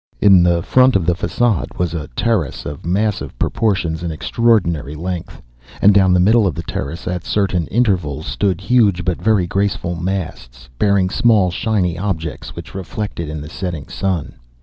In the front of the façade was a terrace of massive proportions and extraordinary length, and down the middle of the terrace, at certain intervals, stood huge but very graceful masts, bearing small shiny objects which reflected the setting sun.